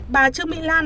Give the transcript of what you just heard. bà trương mỹ lan